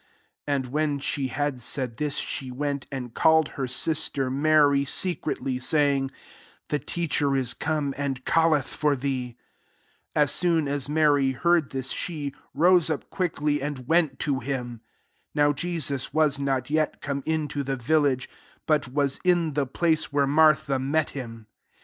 28 And when she had said this, she went and called her sister Mary, secretly, saying, *' The teacher is come, and calleth for thee." 29 As soon as Mary heard this J she rose up quickly, and went to him. 30 (Now Jesut was not yet come into the vil lage, but was in the place where Martha met him.)